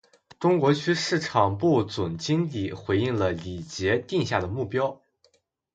中国区市场部副总经理回应了李杰定下的目标